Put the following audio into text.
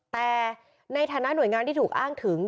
แต่ในฐานะหน่วยงานที่ถูกอ้างถึง